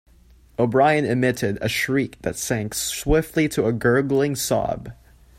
O'Brien emitted a shriek that sank swiftly to a gurgling sob.